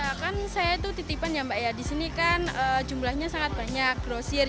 ya kan saya itu titipan ya mbak ya di sini kan jumlahnya sangat banyak grosir